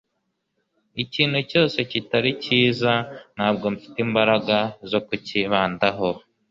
ikintu cyose kitari cyiza, ntabwo mfite imbaraga zo kukibandaho